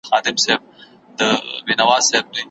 تل په خپل ژوند کي خوشحاله واوسئ.